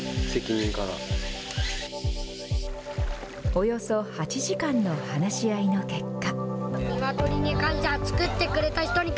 およそ８時間の話し合いの結果。